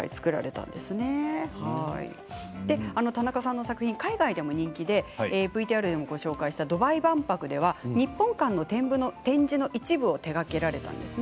田中さんの作品は海外でも人気でＶＴＲでも紹介したドバイ万博では日本館の展示の一部を手がけられました。